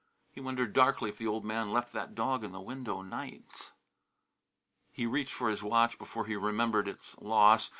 He wondered darkly if the old man left that dog in the window nights! He reached for his watch before he remembered its loss.